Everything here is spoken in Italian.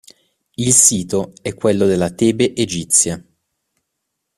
Il sito è quello della Tebe egizia.